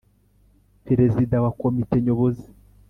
perezida wa komite nyobozi